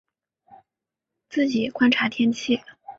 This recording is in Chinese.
自己观察天气